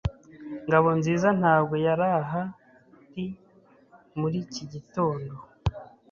Ngabonziza ntabwo yari ahari muri iki gitondo.